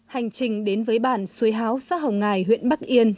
hành trình đến với bàn xuôi háo xa hồng ngài huyện bắc yên